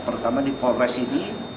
pertama di pores ini